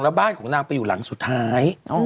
แล้วบ้านของนางไปอยู่หลังสุดท้าย